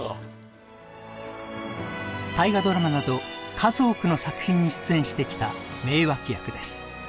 大河ドラマなど数多くの作品に出演してきた名脇役です。